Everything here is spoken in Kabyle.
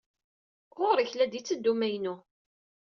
Ɣur-k! La d-itteddu ukamyun!